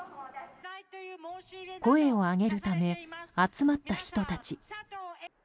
声を上げるため集まった人たち。